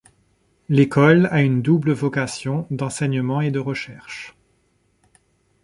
L’école a une double vocation d’enseignement et de recherche.